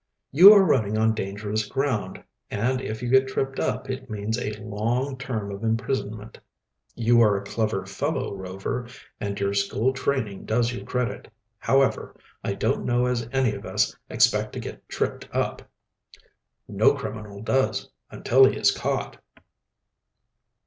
"You are running on dangerous ground, and if you get tripped up it means a long term of imprisonment." "You are a clever fellow, Rover, and your school training does you credit. However, I don't know as any of us expect to get tripped up." "No criminal does until he is caught."